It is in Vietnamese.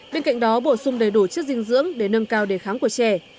bên cạnh đó bổ sung đầy đủ chất dinh dưỡng để nâng cao đề kháng của trẻ